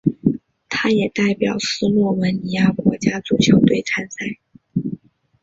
他也代表斯洛文尼亚国家足球队参赛。